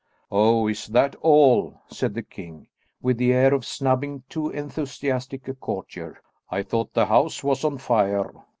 "Oh, is that all," said the king, with the air of snubbing too enthusiastic a courtier. "I thought the house was on fire."